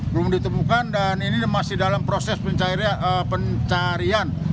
belum ditemukan dan ini masih dalam proses pencarian